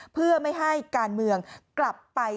เพื่อไม่ให้การเมืองกลับไป